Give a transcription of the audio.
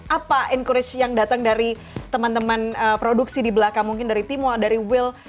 apa encourage yang datang dari teman teman produksi di belakang mungkin dari timol dari will